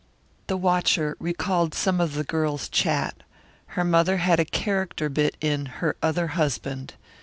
The watcher recalled some of the girl's chat. Her mother had a character bit in Her Other Husband.